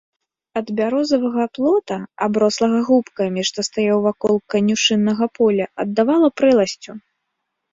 Ад бярозавага плота, аброслага губкамі, што стаяў вакол канюшыннага поля, аддавала прэласцю.